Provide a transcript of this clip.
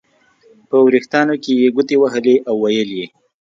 په وریښتانو کې یې ګوتې وهلې او ویې ویل.